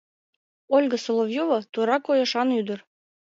Ольга Соловьёва — тура койышан ӱдыр.